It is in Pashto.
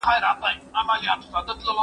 زه وخت نه نيسم؟!